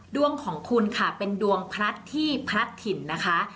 ดวงของคุณค่ะเป็นดวงพลัดที่พลัดถิ่นนะคะ